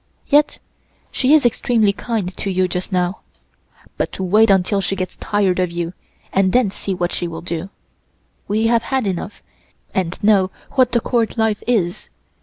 Yes, she is extremely kind to you just now, but wait until she gets tired of you and then see what she will do. We have had enough, and know what the Court life is.